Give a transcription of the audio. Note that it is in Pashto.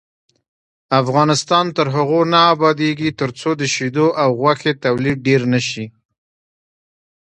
افغانستان تر هغو نه ابادیږي، ترڅو د شیدو او غوښې تولید ډیر نشي.